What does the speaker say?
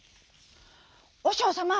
「おしょうさま。